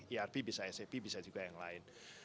erp bisa sap bisa juga yang lain